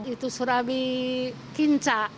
itu surabi kinca